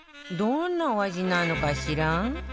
どんなお味なのかしら？